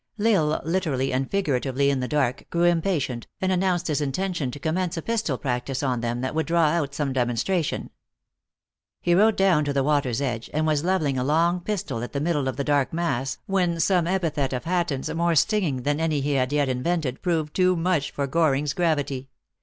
L Isle literally and figuratively in the dark, grew impatient, and announced his intention to com mence a pistol practice on them that would draw out some demonstration. He rode down to the water s edge, and was leveling a long pistol at the middle of the dark mass, when some epithet of Hatton s more stinging than any he had yet invented, proved to/) much for Goring s gravity.